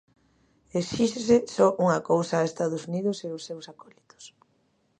Exíxese só unha cousa a Estados Unidos e os seus acólitos.